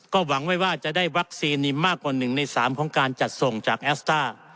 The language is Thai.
ก็หวังไว้ว่าจะได้วัคซีนมากกว่า๑ใน๓ของการจัดส่งจากแอสต้า